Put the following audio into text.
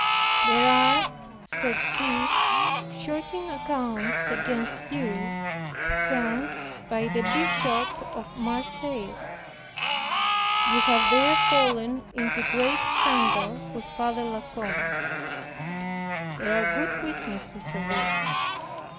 "There are," said he, "shocking accounts against you, sent by the Bishop of Marseilles. You have there fallen into great scandal with Father La Combe. There are good witnesses of it."